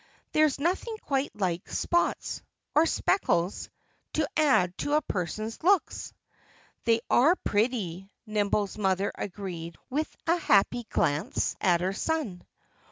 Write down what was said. There's nothing quite like spots or speckles to add to a person's looks." "They are pretty," Nimble's mother agreed with a happy glance at her son.